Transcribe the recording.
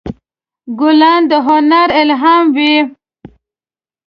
ګلان د هنر الهام وي.